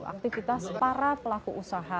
aktivitas para pelaku usaha